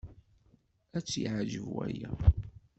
Ad tt-yeɛjeb waya.